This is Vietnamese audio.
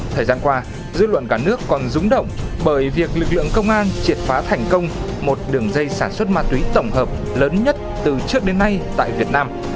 thời gian qua dư luận cả nước còn rúng động bởi việc lực lượng công an triệt phá thành công một đường dây sản xuất ma túy tổng hợp lớn nhất từ trước đến nay tại việt nam